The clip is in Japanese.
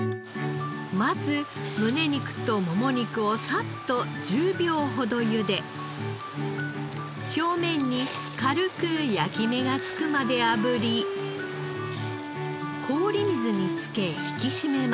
まず胸肉ともも肉をさっと１０秒ほどゆで表面に軽く焼き目がつくまであぶり氷水に漬け引き締めます。